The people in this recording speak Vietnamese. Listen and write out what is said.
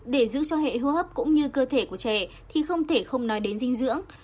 để giữ cho hệ hô hấp cũng như cơ thể của trẻ thì không thể không nói đến dinh dưỡng